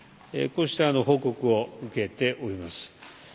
こうした報告を受けております。